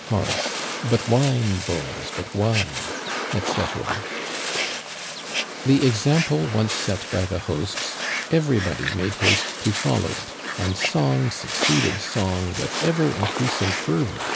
Chorus, But wine, boys, but wine ! etc. The example once set by the hosts, everybody made haste to follow it, and song succeeded song with ever increasing fervor.